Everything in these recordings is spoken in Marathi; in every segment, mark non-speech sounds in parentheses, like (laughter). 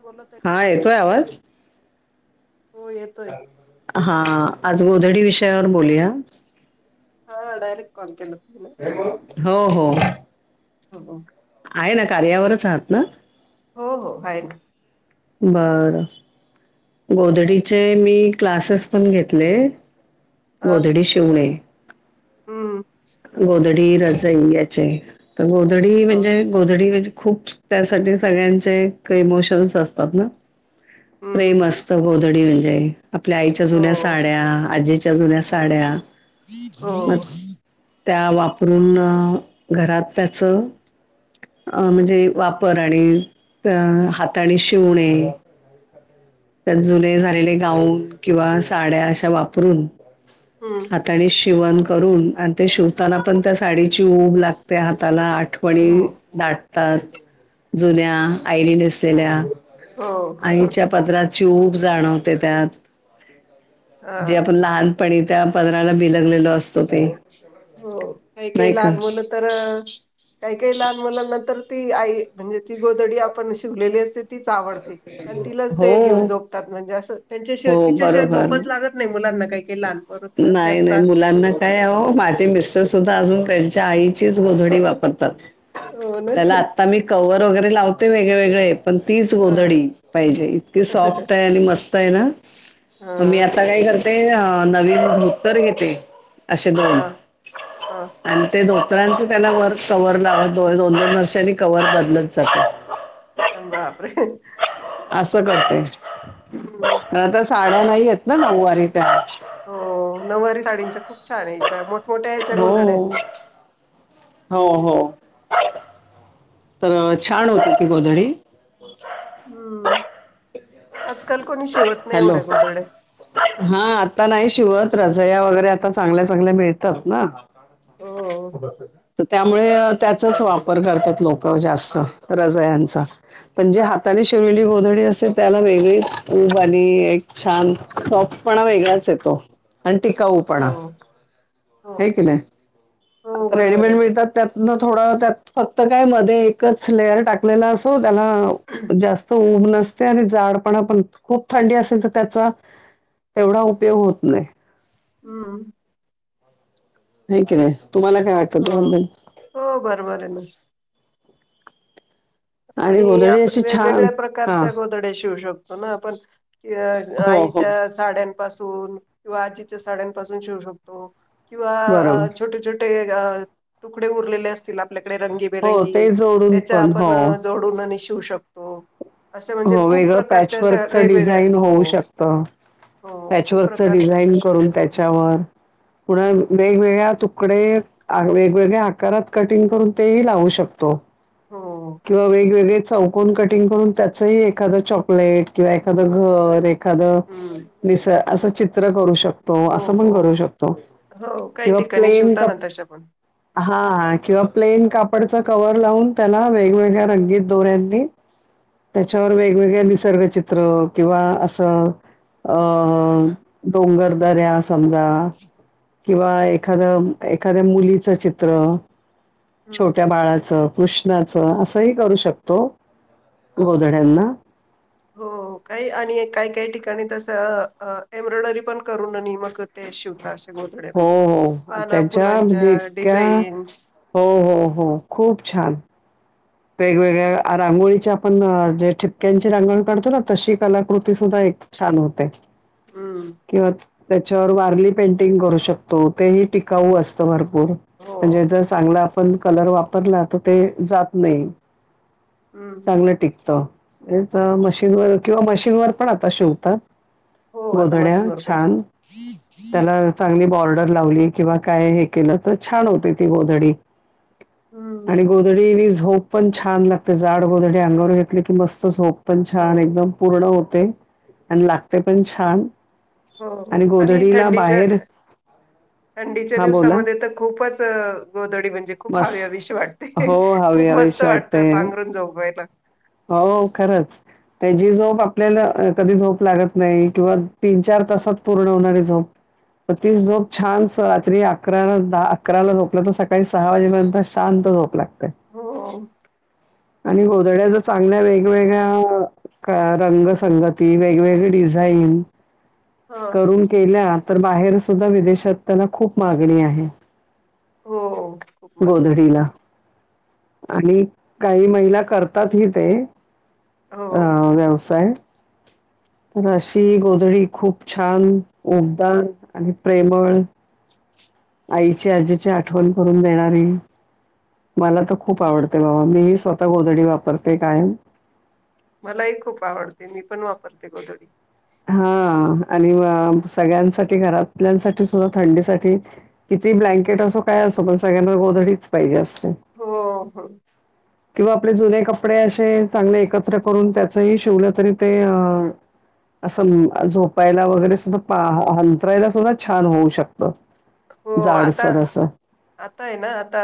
बोलत आहे हा येतोय आवाज-? हो येतोय हा आज गोधडी विषयावर बोलुया हा डायरेक काॅल केला. तुम्ही हो हो हो हो आहे ना कार्यावरच आहात ना? हो हो आहे ना. बरं गोधडीचे मी क्लासेस पण घेतले. हा गोधडी शिवणे हम्म रजाई यांचे गोधडी हो म्हणजे गोधडी म्हणजे खुप त्यासाठी सगळ्यांचे इमोशन्स असतात ना हम्म हम्म प्रेम असत गोधडी म्हणजे. आपल्या आईच्या जुन्या हो साड्या आजीच्या च्या जुन्या साड्या मग हो त्या वापरून घरात त्याचं अ म्हणजे वापर आणि अ हाताने शिवणे त्यात जुने झालेले गाऊन किंवा साड्या अशा वापरून हम्म हाताने शिवण करून आणि ते शिवताना पण त्या साडीची ऊब लागते हाताला हो आठवणी दाट तात जुन्या आईनी नेसलेल्या हो ची ऊब जाणवते त्यात, हा जे आपण लहान पनी त्या पदराला बीलगलेलो अस हो काही काही का लागवल तर काही काही लहान मुलांना तर, ती आई म्हणजे ती गोदडी आपण शिवलेली असते तीच आवडती आणि तिलाच ते हो घेऊन झोपतात, म्हणजे अस त्यांच्या हो तिच्याशिवाय बरोबर झोपच लागत नाही मू मुलांना काही काही लहानपोर तर अशी असतात ओ माझे मिस्टर सुद्धा अजून त्यांच्या आई चीच गोधडी वापरतात, हो ना त्याला आत्ता मी कंवर वैगरे लावत ते वेगळे वेगळे आहे, पण तीच हा गोधडी पाहिजे इतकी सॉफ्टय आणि मस्तय ना मग मी हा आता काय करत ते अ नवीन धोतर घेते असे दोन हा हा आणि ते धो तरांच त्याला वर कवर लाव दोय दोन-दोन वर्षांनी कवर बदलत जाते. (unintelligible) बापरे असं करते हम्म. आड्या नाही येत ना नऊवारी त्या हो, नऊवारी साडींच खुप छानये (unintelligible) मोठमोठ्या याच्या हो गोधड्या हो हो. तर छान होती ती गोधडी हम्म आजकाल कोणी शिवत नाही हॅलो. एवढ्या गोधड्या हा आता नाही शिवत रजया वगैरे आता चांगल्या-चांगल्या मिळतात ना हो त्या मुळे त्याचाच वापर करतात लोक जास्त. रजयांचा पण जे हाताने शिव लेली गोधडी असते. त्याला वेगळीच उब आणि एक छान सॉफ्टपणा वेगळाच येतो आणि टीकाऊ पणा हो हो हे की नाही. हो आता बरोबर रेडीमेड आहे मिळतात त्यातन. थोड त्यात फक्त काय मध्ये एकच. लेयर टाकलेला असो त्याला जास्त उब न असत्या आणि जाडपणा पण खूप थंडी असेल तर त्याचा. एवढा उपयोग होत नाही. हम्म. नाही की नाही तुम्हाला काय वाटतं हो दल. हो बरोबर आहे ना आणि गोधडी आपण अशी छान वेगवेगळ्या हा प्रकारच्या गोधड्या शिवू शकतो ना आपण. कि अ हो हो आईच्या साड्यांपासून. किंवा आजीच्या साड्यांपासून शिवू शकतो. किंवा बरोबर अ छोटे-छोटे अ तुकडे उरलेले असतील आप आपल्याकडे हो रंगीबेरंगी ते जोडून त्याच्या पण आपण हो जोडून शिवू शकतो. असे म्हणजे हो खूप वेगळं प्रकारच्या अशा पॅचवर्कच वेगवेगळ्या डिझाईन होऊ हो शकतं. हो खूप पॅचवर्क च प्रकारच्या अशा डिझाईन शिवू करून त्याच्यावर पुन्हा वेगवेगळ्या तू तूकडे वेगवेगळ्या आकारात कटिंग करून तेही लावू शकतो. शकतो हो किंवा वेगवेगळे चौकोन कटिंग करून त्यात. एखाद चॉकलेट. किंवा एखादं घर. एखाद हम्म निस अस. चित्र करू शकतो. हो अस पण हो करू शकतो. हो काही किंवा ठिकाणी प्लेन शिवताना तशा पण हा किंवा प्लेन का. कापडच कवर लावून. त्याला वेगवेगळ्या रंगीत दोऱ्यांनी. त्याच्यावर वेगवेगळ्या निसर्गचित्र किंवा असं. अ डोंगरदऱ्या. समजा किंवा हम्म एखाद-एखाद्या मुलीच चित्र. हम्म. छोट्या बाळाचं कृष्णाचं असंही करू शकतो. गोधड्यांना. हो काही आणि. काही काही ठिकाणी तस. एम्ब्रॉयडरी पण करून मग ते शिवतात. गोधड्या हो, म्हणजे हो. पाना त्यांच्या फुलांच्या म्हणजे इतक्या डिझाईन्स. हो हो. हो. खूप छान. वेगवेगळ्या रांगोळीच्या आपण जे ठिपक्यांची रांगोळी काढतो ना. तशी कलाकृती सुद्धा. छान होतय हम्म किवा त्याच्यावर वारली पेंटिंग करू शकतो. ते ह हो टिकाऊ असत भरपूर हो म्हणजे जर चांगला आपण कलर वापरला तर ते जात. नाही हम्म चांगलं टिकतो. तर मशीनवर. किंवा मशीनवर पण आता शिवतात. हो आता गोधड्या मशीनवर पण छान शिवतात त्याला चांगली बॉर्ड. लावली किंवा काय हे केलं. तर छान होते ती गोधडी. हम्म आणि गोधडी झोप पण छान लागते. जाड गोधडी अंगावर घेतले की मस्त झोप पण हो छान एकदम पूर्ण होते. आणि लागते पण छान. हो आणि गोधडीला बाहेर थंडीच्या-थंडीच्या हा बोला दिवसामध्ये तर खूपच. गोद गोदडी. ती म्हणजे खूप बस हवी हवीशी वाटते, हो, हवी खूप मस्त हवीशी वाटत वाटते. पांघरून झोपायला. हो खरंच. तेजी झोप आपल्याला अ कधी झोप लागत नाही, किंवा तीन चार तासात पूर्ण होणारी झोप म तिच जोप छान स रात्री अकरा दहा अकराला झोपलं तर सकाळी दहा वाजेपर्यंत शांत झोप लागते. हो आणि गोधड्या जर चांगल्या वेगवेगळ्या का रंगसंगती वेगवेगळी डिझाईन हा करून केल्या, तर बाहेर सुद्धा विदेशात त्यांना खूप मागणी आहे. हो. खूप मान गोधडीला आणि काही महिला करतात ही ते. हो हं व्यवसाय. (inaudible) तर अशी गोधडी खूप छान उबदाार आणि प्रेमळ आईची, आजीची आठवण करून देणारी. मला तर खूप आवडते बाबा मीही स्वतः गोधडी वापरते कायम. मलाही खूप आवडते मी पण वापरते गोधडी. हा आणि सगळ्यांसाठी घरातल्यासाठी सुद्धा थंडीसाठी कि ती ब्लँकेट असो काय असो पण सगळ्यांना गोधडीच पाहिजे असं हो हो किंवा आपले जुने कपडे असे चांगले एकत्र करून त्याचही शिवलं तरी ते अ असं झोपायला वगैरे सुद्धा अंतरायला सुद्धा छान होऊ शकतं. हो आता जाडसर असं. आता आहे ना आता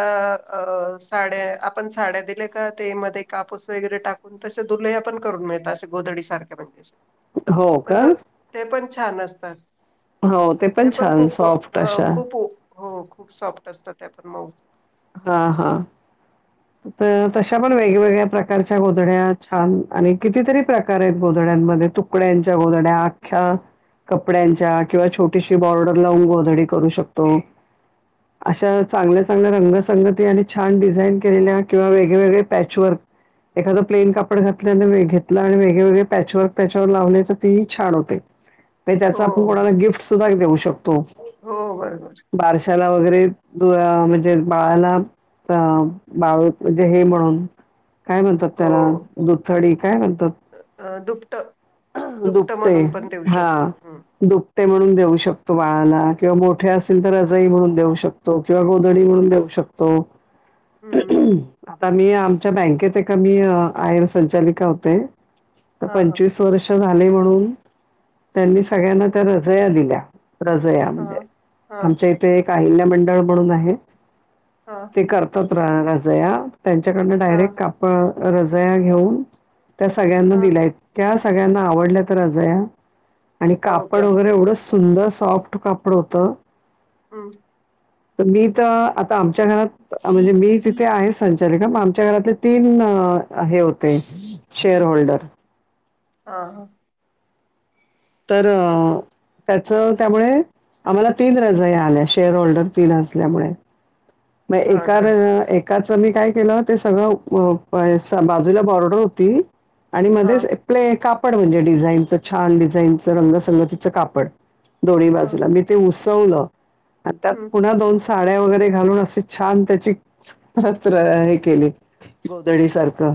अ साड्या आपण साड्या दिल्या का ते मध्ये कापूस वगैरे टाकून तसे दुलह्यापण करून मिळत असे गोद गोधडी सारख्या म्हणजे हो तस का? ते पण छान असतात. हो ते पण छान खूप सॉफ्ट हं अशा खूप उ- हो खूप सॉफ्ट असतात त्या पण मऊ. हा हां तर तशा पण वेगवेगळ्या प्रकारच्या गोधड्या छान आणि कितीतरी प्रकार आहेत गोधड्यांमध्ये. तुकड्यांच्या गोदड्या आख्या कपड्यांच्या किंवा छोटीशी बॉर्डर लावून गोधडी करू शकतो. अशा चांगल्या चांगल्या रंगसंगती आणि छान डिझाईन केलेल्या किंवा वेगळेवेगळे पॅच वर् एखादं प्लेन कपडे घातले आणि घेतला आणि वेगळेवेगळे पॅच वर्क त्याच्यावर लावले तर तेही छान होते. त्याच हो आपण कोणाला गिफ्ट सुद्धा देऊ शको. हो बरोबर वगैरे म्हणजे बाळाला अं बाळुथ म्हणजे हे म्हणून काय म्हणतात त्याला हो दुथडी काय म्हणतात? अ, दुपट दुपट दुपते म्हणून पण देऊ हा शकतो. हं दुपते म्हणून. देऊ शकतो बाळाला किंवा मोठे असतील तर रजई म्हणून देऊ शकतो. किंवा गोधडी म्हणून हं देऊ शकतो. हं आता मी आमच्या बँकेत ऐक मी आयर संचालिका होते. हा हां (unintelligible) झालं म्हणून त्यांनी सगळ्यांना त्या रजया दिल्या. रजया म्हणजे हां. हां आमच्या इथे एक अहिल्यामंडळ म्हणून आहे. हां ते करतात रज रजया त्यांच्याकडून हां डायरेक्ट कापड रजया घेऊन त्या सगळ्यांना हां दिलाय. सगळ्यांना आवडल्या तर रजया आणि हो का कापड वगैरे एवढ सुंदर सॉफ्ट कपड होतं. हं तर मी तर आता आमच्या घरात म्हणजे मी तिथे आहे सं आमच्या घरातले तीन हे होते शेअर होल्डर. हा हां तर त्याच त्यामुळे आम्हाला तीन रजया आल्या शेअर होल्डर तीन असल्यामुळे. मग हां एका का काच मी काय केलं ते सगळं बाजूला बॉर्डर होती. आणि हां मध्येच प्ले काप म्हणजे डिझाईनचं छान डिझाईनचं रंगसंगतीच कापड दोन्ही हां बाजूला मी त्यात हं. पुन्हा दोन साड्या वगैरे घालून अस छान त्याचीच हे केली गोधडी सारखं.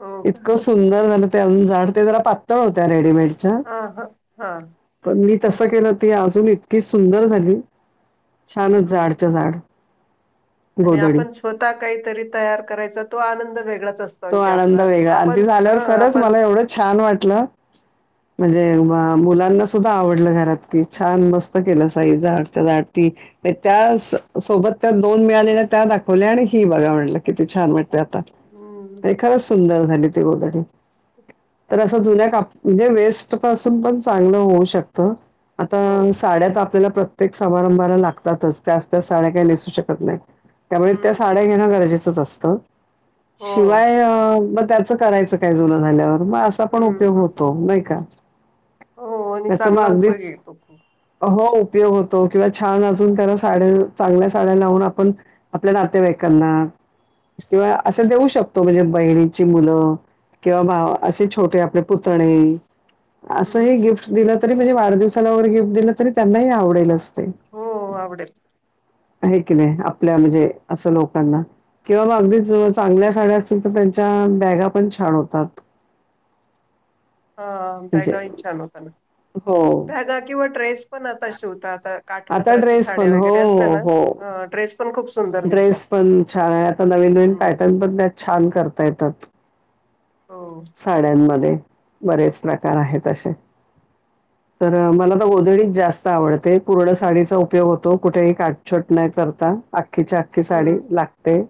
हो इतकं का सुंदर झालं, ते अजून जाड ते जरा पातळ होत्या रेडीमेड. हा हा हा. तसं केलं, ती अजून इतकी सुंदर झाली छानच जाड हम्म च्या जाड. आणि गोधडी आपण स्वतः काहीतरी तयार करायचा तो आनंद वेगळाच. असतो तो आणखी आनंद आपला वेगळा आणि आपण ते हा झाल्यावर खरंच आपण मला एवढं छान वाटलं म्हणजे म मुलांना सुद्धा आवडलं घरात, कि छान मस्त हम्म केलंस आई जाड. (unintelligible) त्या स सोबत त्या दोन मिळालेल्या त्या दाखवल्या आणि ही बघा म्हटलं कीती च छान मिळत्यात हम्म. खरं सुंदर झाली ते वगैरे तर असं जुन्या का म्हणजे वेस्ट पासून पण चांगलं होऊ शकतं. हो आता साड्या त आपल्याला प्रत्येक समारंभाला लागतातच. त्याच त्या साड्या काही हो नसू शकत नाही, त्यामुळे त्या हम्म साड्या घेणं गरजेचंच असतं. हो शिवाय अ म त्याचं करायचं काय जुन झाल्यावर? म असा पण हम्म उपयोग हम्म होतो नाही का? हो आणि त्याचं मग चांगला उपयोग अगदीच आहे तो खूप अ हो उपयोग होतो किंवा छान अजून त्याना साड्या, चांगल्या साड्या लावून आपण आपल्या नातेवाईकांना किंवा असं देऊ शक तो म्हणजे बहिणीची मुलं किंवा भा असे छोटे आपले पुतणे हम्म असंही गिफ्ट दिलं तरी म्हणजे वाढदिवसाला वगैरे गिफ्ट दिलं तरी त्यांनाही आवडेलच. हो आवडेल. हे की नाही, आपल्या म्हणजे असं लोकांना किंवा मग अगदीच चांगल्या साड्या अस तील तर त्यांच्या बॅगा पण छान होतात. हा, म्हणजे बॅगा ही छान होता ना, हो. बॅगा किंवा ड्रेस पण आता शिवता आता आता काठपदराची ड्रेस साड्या पण हो वगैरे असल्या हो ना हो हा ड्रेस पण खूप सुंदर दिसतात ड्रेस पण छान आहे, आता नवीन नवीन हम्म पॅटर्न पण त्यात छान करता येतात. हो साड्यांमध्ये बरेच प्रकार आहेत अशे. (inaudible) तर अ मला ना गोधडीच जास्त आवडते, पूर्ण साडीचा उपयोग होतो कुठेही काटछोट न करता. अक्खीच्या अक्खी हम्म साडी लागते.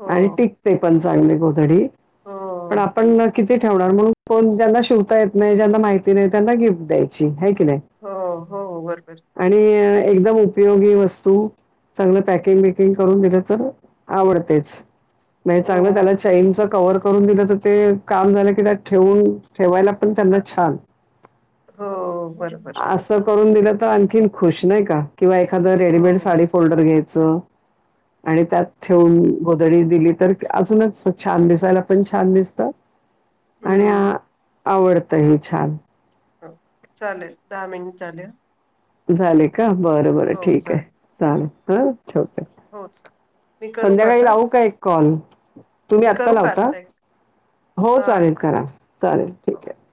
हो आणि टिकते पण चांगली गोधडी, हो पण आपण ना कि ती ठेवणार, म्हणून ज्यांना शिवता येत नाही ज्यांना माहिती नाही त्यांना गिफ्ट द्यायची हाय की नाय, हो हो बरोबर आणि अ एकदम उपयोगी वस्तू चांगलं पॅकिंग बिकिंग करून दिलं तर आवडतेच, नाही चांगलं हो त्याला चैनचं‌ कव्हर करून दिलं तर ते काम झालं की त्यात ठेवून ठेवायला पण त्यांना हा छान, हो बरोबर हो असं करून दिलं त तर आणखीन खुश नाही का? किंवा एखादं रेडीमेड साडी फोल्डर घ्यायचं. आणि त्यात ठेऊन गोधडी दिली तर अजूनच छान दिसायला पण छान दिसतात. हम्म. आवडतंय छान हो चालेल, दहा मिनिट झाले. झाले का? बरं बरं ठीक हाये, चालेल हा ठेवते. हो चालेल मी करू संध्याकाळी आता लावू का एक कॉल? तुम्ही मी आत्ता करू का लावता. आता एक हो हा चालेल करा. चालेल हो ठीक आहे.